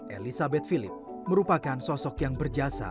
elizabeth philip merupakan sosok yang berjasa